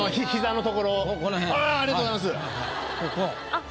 ・あっ